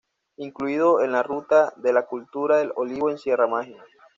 Incluido en la Ruta de la Cultura del Olivo en Sierra Mágina.